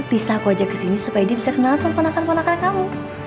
bisa aku ajak kesini supaya dia bisa kenal langsung ponakan ponakan kamu